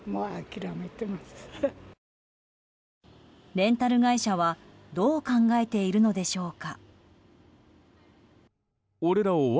レンタル会社はどう考えているのでしょうか。